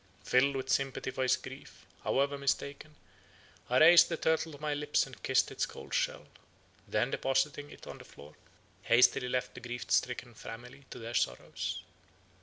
Filled with sympathy for his grief, however mistaken, I raised the turtle to my lips and kissed its cold shell; then depositing it on the floor, hastily left the grief stricken family to their sorrows.